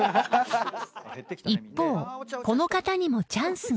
［一方この方にもチャンスが］